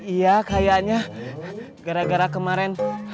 iya kayaknya gara gara kemarin